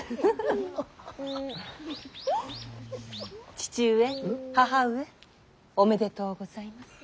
父上義母上おめでとうございます。